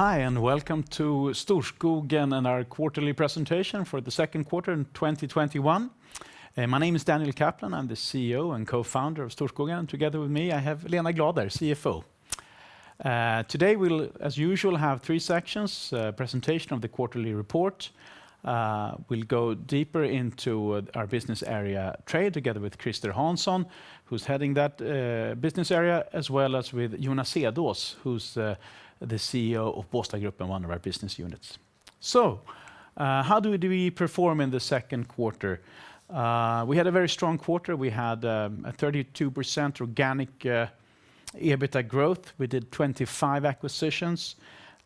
Hi, welcome to Storskogen and our quarterly presentation for the second quarter in 2021. My name is Daniel Kaplan, I'm the CEO and co-founder of Storskogen. Together with me, I have Lena Glader, CFO. Today we'll, as usual, have three sections, a presentation of the quarterly report. We'll go deeper into our business area trade together with Christer Hansson, who's heading that business area, as well as with Jonas Cedås, who's the CEO of Båstad-Gruppen and one of our business units. How did we perform in the second quarter? We had a very strong quarter. We had a 32% organic EBITDA growth. We did 25 acquisitions.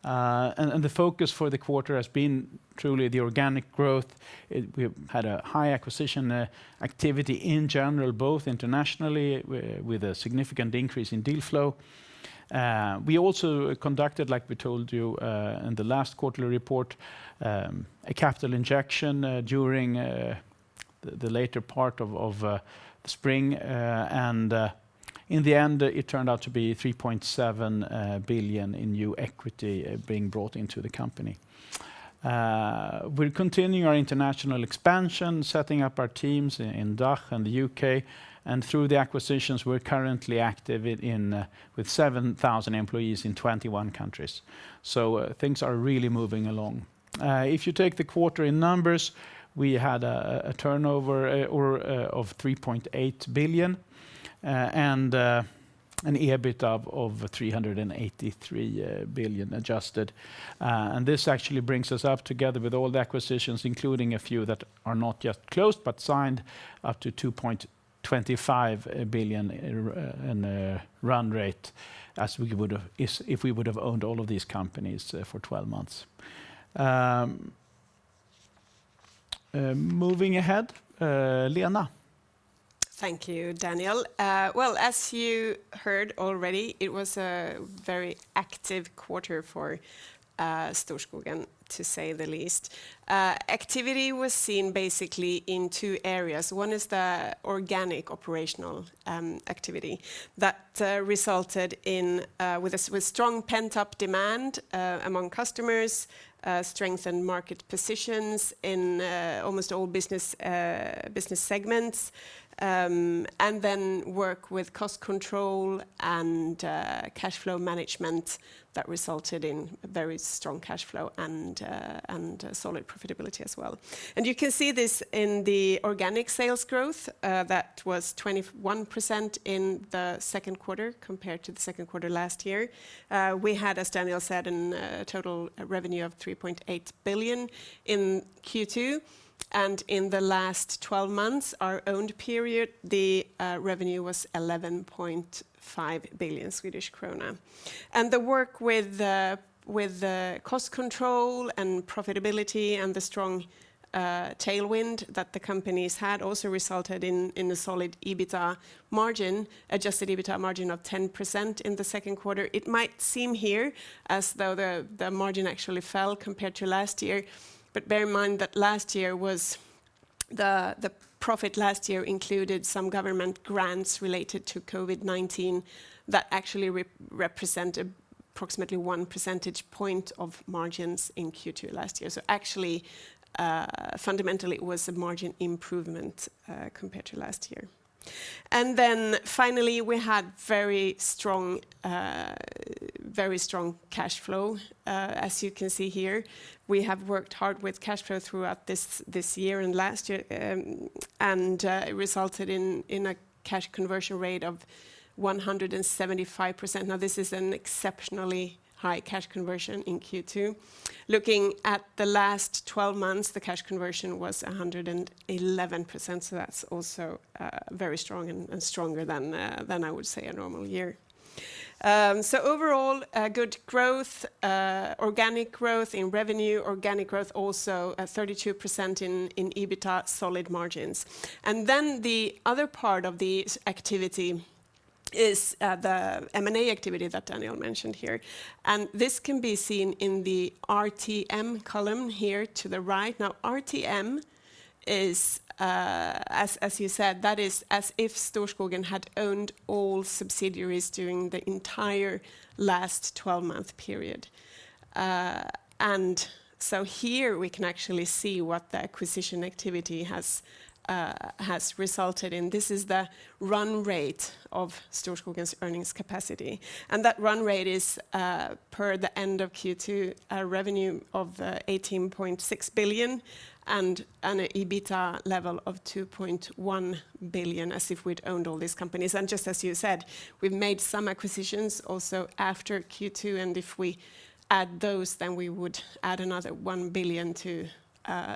The focus for the quarter has been truly the organic growth. We had a high acquisition activity in general, both internationally with a significant increase in deal flow. We also conducted, like we told you in the last quarterly report, a capital injection during the later part of the spring, and in the end it turned out to be 3.7 billion in new equity being brought into the company. We're continuing our international expansion, setting up our teams in DACH and the U.K., and through the acquisitions we're currently active with 7,000 employees in 21 countries. Things are really moving along. If you take the quarter in numbers, we had a turnover of 3.8 billion, and an EBITDA of 383 billion adjusted. This actually brings us up together with all the acquisitions, including a few that are not yet closed but signed up to 2.25 billion in run rate as if we would have owned all of these companies for 12 months. Moving ahead, Lena? Thank you, Daniel. Well, as you heard already, it was a very active quarter for Storskogen, to say the least. Activity was seen basically in two areas. One is the organic operational activity that resulted in, with strong pent-up demand among customers, strengthened market positions in almost all business segments, and then work with cost control and cash flow management that resulted in very strong cash flow and solid profitability as well. You can see this in the organic sales growth, that was 21% in the second quarter compared to the second quarter last year. We had, as Daniel said, a total revenue of 3.8 billion in Q2, in the last 12 months, our owned period, the revenue was 11.5 billion Swedish krona. The work with the cost control and profitability and the strong tailwind that the companies had also resulted in a solid EBITDA margin, adjusted EBITDA margin of 10% in the second quarter. It might seem here as though the margin actually fell compared to last year, bear in mind that the profit last year included some government grants related to COVID-19 that actually represent approximately 1 percentage point of margins in Q2 last year. Actually, fundamentally, it was a margin improvement compared to last year. Finally, we had very strong cash flow, as you can see here. We have worked hard with cash flow throughout this year and last year, and it resulted in a cash conversion rate of 175%. Now, this is an exceptionally high cash conversion in Q2. Looking at the last 12 months, the cash conversion was 111%. That's also very strong and stronger than, I would say, a normal year. Overall, good growth, organic growth in revenue, organic growth also at 32% in EBITDA, solid margins. Then the other part of the activity is the M&A activity that Daniel mentioned here. This can be seen in the RTM column here to the right. RTM is, as you said, that is as if Storskogen had owned all subsidiaries during the entire last 12-month period. Here we can actually see what the acquisition activity has resulted in. This is the run rate of Storskogen's earnings capacity. That run rate is, per the end of Q2, a revenue of 18.6 billion and an EBITDA level of 2.1 billion, as if we'd owned all these companies. Just as you said, we've made some acquisitions also after Q2, and if we add those, then we would add another 1 billion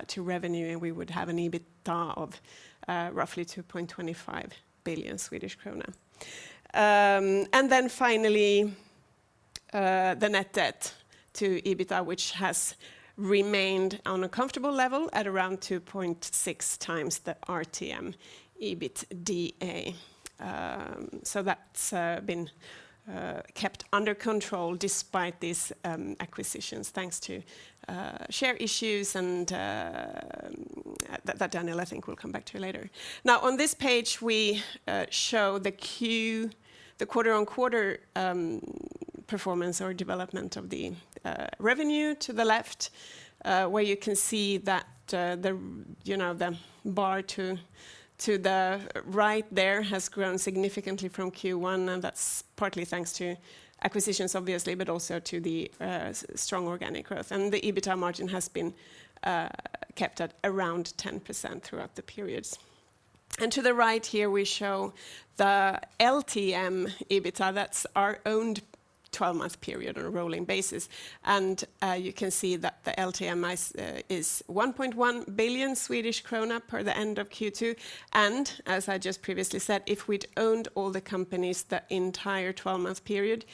to revenue, and we would have an EBITDA of roughly 2.25 billion Swedish krona. Finally, the net debt to EBITDA, which has remained on a comfortable level at around 2.6 times the RTM EBITDA. That's been kept under control despite these acquisitions, thanks to share issues and that Daniel, I think we'll come back to later. On this page, we show the quarter-on-quarter performance or development of the revenue to the left, where you can see that the bar to the right there has grown significantly from Q1, and that's partly thanks to acquisitions, obviously, but also to the strong organic growth. The EBITDA margin has been kept at around 10% throughout the periods. To the right here, we show the LTM EBITDA, that's our owned 12-month period on a rolling basis. You can see that the LTM is 1.1 billion Swedish krona per the end of Q2. As I just previously said, if we'd owned all the companies that entire 12-month period,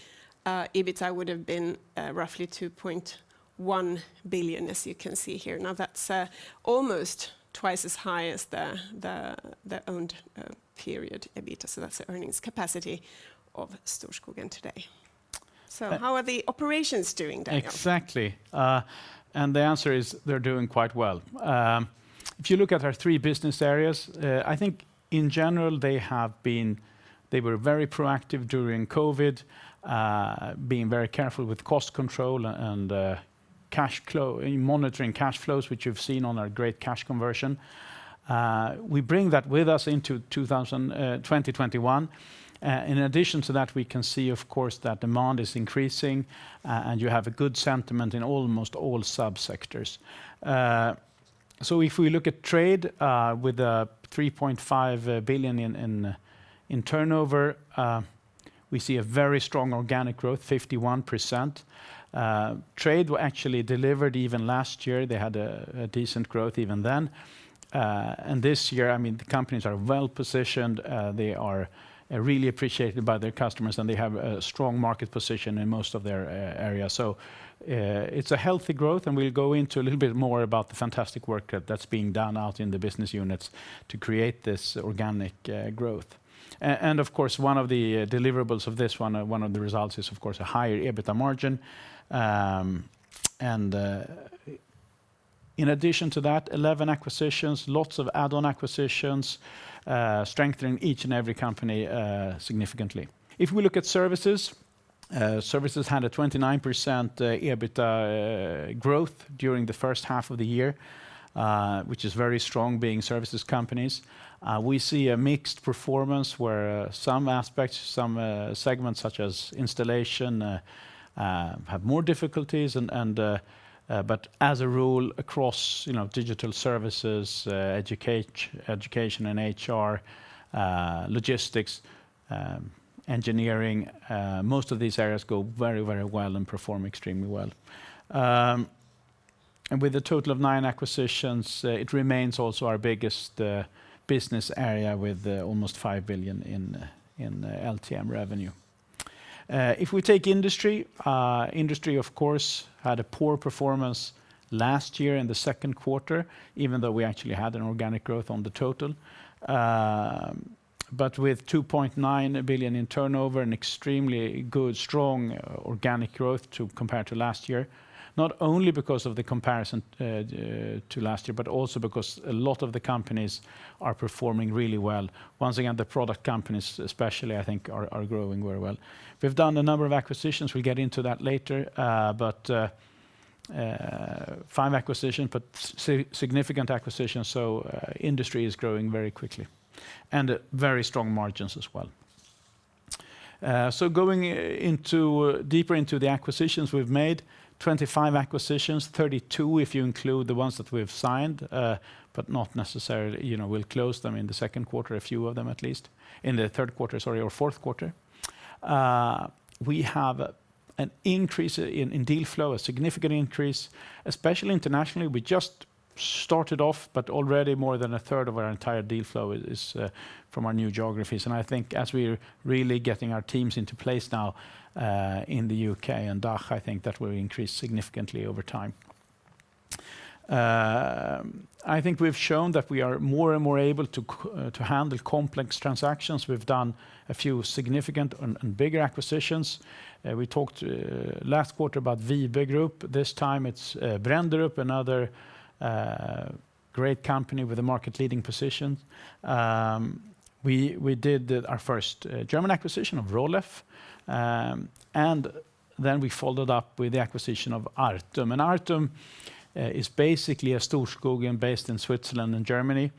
EBITDA would have been roughly 2.1 billion, as you can see here. Now, that's almost twice as high as the owned period EBITDA. That's the earnings capacity of Storskogen today. How are the operations doing, Daniel? Exactly. The answer is, they're doing quite well. If you look at our three business areas, I think in general, they were very proactive during COVID, being very careful with cost control and monitoring cash flows, which you've seen on our great cash conversion. We bring that with us into 2021. In addition to that, we can see, of course, that demand is increasing, and you have a good sentiment in almost all sub-sectors. If we look at trade with 3.5 billion in turnover, we see a very strong organic growth, 51%. Trade actually delivered even last year. They had a decent growth even then. This year, the companies are well-positioned, they are really appreciated by their customers, and they have a strong market position in most of their areas. It's a healthy growth, and we'll go into a little bit more about the fantastic work that's being done out in the business units to create this organic growth. Of course, one of the deliverables of this, one of the results is, of course, a higher EBITDA margin. In addition to that, 11 acquisitions, lots of add-on acquisitions, strengthening each and every company significantly. If we look at services had a 29% EBITDA growth during the first half of the year, which is very strong being services companies. We see a mixed performance where some aspects, some segments such as installation, have more difficulties, but as a rule across digital services, education and HR, logistics, engineering, most of these areas go very well and perform extremely well. With a total of nine acquisitions, it remains also our biggest business area with almost 5 billion in LTM revenue. If we take industry of course had a poor performance last year in the second quarter, even though we actually had an organic growth on the total. With 2.9 billion in turnover and extremely good, strong organic growth compared to last year, not only because of the comparison to last year, but also because a lot of the companies are performing really well. Once again, the product companies especially, I think are growing very well. We've done a number of acquisitions. We'll get into that later. Five significant acquisitions, industry is growing very quickly. Very strong margins as well. Going deeper into the acquisitions we've made, 25 acquisitions, 32 if you include the ones that we've signed. We'll close them in the second quarter, a few of them at least, in the third quarter, sorry, or fourth quarter. We have an increase in deal flow, a significant increase, especially internationally. We just started off, but already more than 1/3 of our entire deal flow is from our new geographies. I think as we're really getting our teams into place now in the U.K. and DACH, I think that will increase significantly over time. I think we've shown that we are more and more able to handle complex transactions. We've done a few significant and bigger acquisitions. We talked last quarter about Wibe Group. This time it's Brenderup, another great company with a market-leading position. We did our first German acquisition of Roleff, and then we followed up with the acquisition of Artum. Artum is basically a Storskogen based in Switzerland and Germany.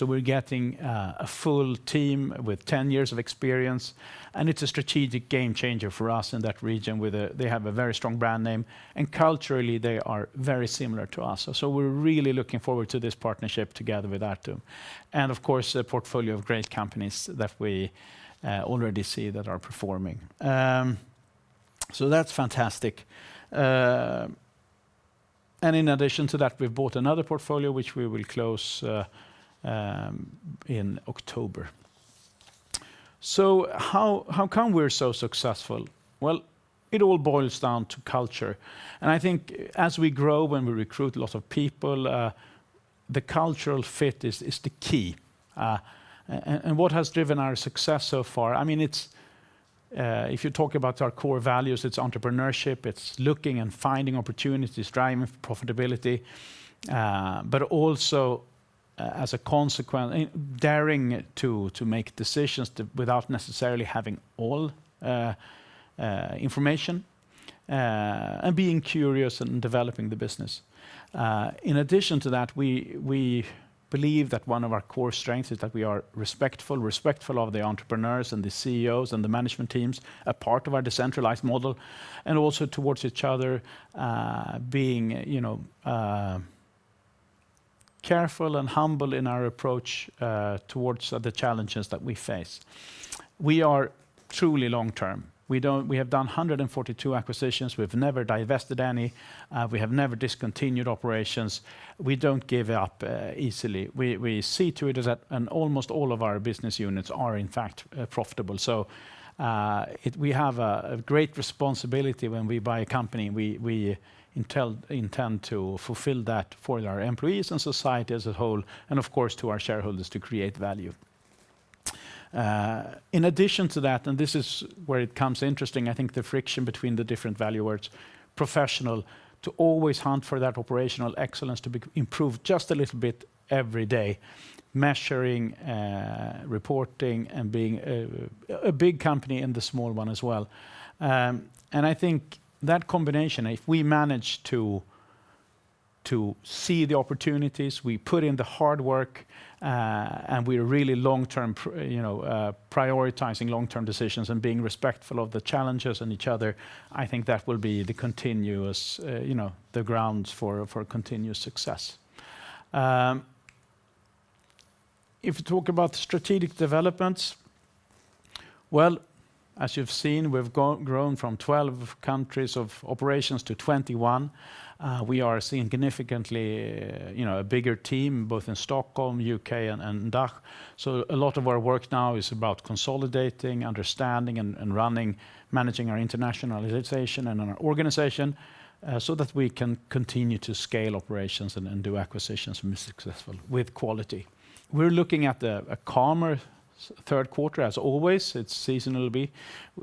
We're getting a full team with 10 years of experience, and it's a strategic game changer for us in that region. They have a very strong brand name, and culturally, they are very similar to us. We're really looking forward to this partnership together with Artum. Of course, a portfolio of great companies that we already see that are performing. That's fantastic. In addition to that, we've bought another portfolio, which we will close in October. How come we're so successful? Well, it all boils down to culture. I think as we grow, when we recruit a lot of people, the cultural fit is the key. What has driven our success so far, if you talk about our core values, it's entrepreneurship, it's looking and finding opportunities, driving profitability, but also daring to make decisions without necessarily having all information, and being curious and developing the business. In addition to that, we believe that one of our core strengths is that we are respectful of the entrepreneurs and the CEOs and the management teams are part of our decentralized model, and also towards each other, being careful and humble in our approach towards the challenges that we face. We are truly long-term. We have done 142 acquisitions. We've never divested any. We have never discontinued operations. We don't give up easily. We see to it, and almost all of our business units are in fact profitable. We have a great responsibility when we buy a company. We intend to fulfill that for our employees and society as a whole, and of course to our shareholders to create value. In addition to that, this is where it becomes interesting, I think the friction between the different value words, professional, to always hunt for that operational excellence to improve just a little bit every day, measuring, reporting, and being a big company and a small one as well. I think that combination, if we manage to see the opportunities, we put in the hard work, and we're really prioritizing long-term decisions and being respectful of the challenges and each other, I think that will be the grounds for continuous success. If you talk about strategic developments, well, as you've seen, we've grown from 12 countries of operations to 21. We are seeing significantly a bigger team, both in Stockholm, U.K., and DACH. A lot of our work now is about consolidating, understanding, and running, managing our internationalization and our organization so that we can continue to scale operations and do acquisitions and be successful with quality. We're looking at a calmer third quarter as always. It's seasonal.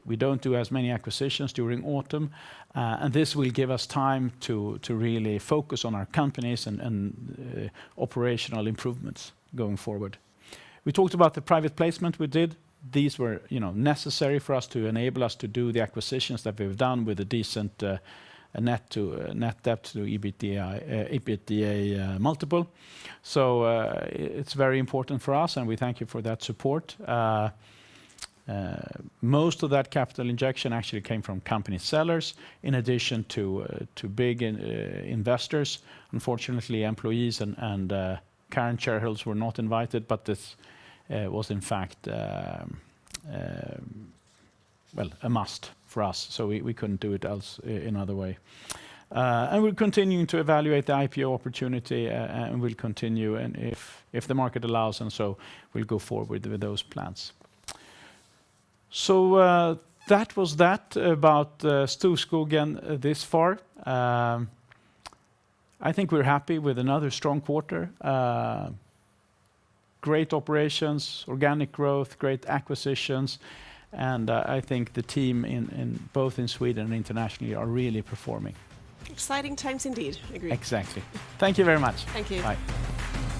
We don't do as many acquisitions during autumn. This will give us time to really focus on our companies and operational improvements going forward. We talked about the private placement we did. These were necessary for us to enable us to do the acquisitions that we've done with a decent net debt to EBITDA multiple. It's very important for us, and we thank you for that support. Most of that capital injection actually came from company sellers in addition to big investors. Unfortunately, employees and current shareholders were not invited, but this was in fact a must for us, so we couldn't do it in other way. We're continuing to evaluate the IPO opportunity, and we'll continue, and if the market allows and so, we'll go forward with those plans. That was that about Storskogen this far. I think we're happy with another strong quarter. Great operations, organic growth, great acquisitions, and I think the team both in Sweden and internationally are really performing. Exciting times indeed. Agreed. Exactly. Thank you very much. Thank you. Bye.